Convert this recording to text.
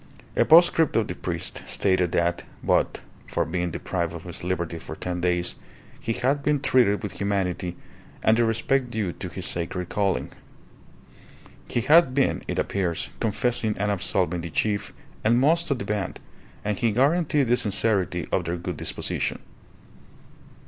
A postscript of the priest stated that, but for being deprived of his liberty for ten days, he had been treated with humanity and the respect due to his sacred calling. He had been, it appears, confessing and absolving the chief and most of the band, and he guaranteed the sincerity of their good disposition.